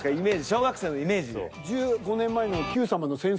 小学生のイメージで。